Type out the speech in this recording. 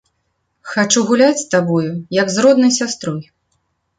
Хачу гуляць з табою, як з роднай сястрой.